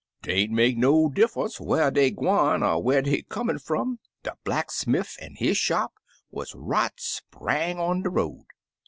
Tain't make no diffunce whar dey gwine, er whar dey comin' fum, de blacksmiff an' his shop wuz right spang on der road.